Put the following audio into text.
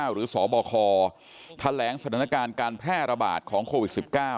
หรือสบคทะแหลงสถานการณ์การแพร่ระบาดของคโครวิท๑๙